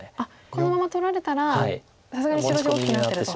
このまま取られたらさすがに白地大きくなってると。